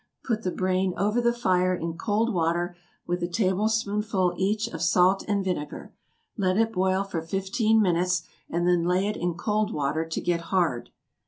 Put the brain over the fire in cold water with a tablespoonful each of salt and vinegar, let it boil for fifteen minutes, and then lay it in cold water to get hard.